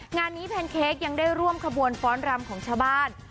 งานนี้แพนเค้กยังได้ร่วมขบวนฟ้อนรำของชาวบ้าน